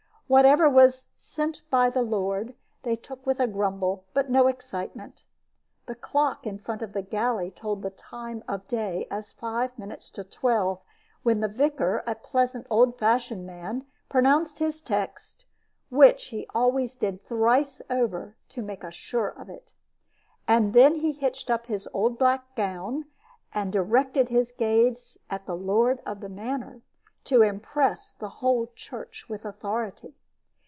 Whatever was "sent by the Lord" they took with a grumble, but no excitement. The clock in front of the gallery told the time of the day as five minutes to twelve, when the vicar, a pleasant old fashioned man, pronounced his text, which he always did thrice over to make us sure of it. And then he hitched up his old black gown, and directed his gaze at the lord of the manor, to impress the whole church with authority.